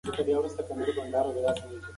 د غره له سر څخه د کلي منظره ډېره ښکلې ښکاري.